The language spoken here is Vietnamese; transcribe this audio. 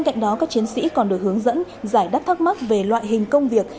các chiến sĩ còn được hướng dẫn giải đáp thắc mắc về loại hình công việc